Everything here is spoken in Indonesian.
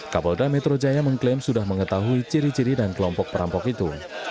kapolda metro jaya mengklaim sudah mengetahui ciri ciri dan kelompok perampok itu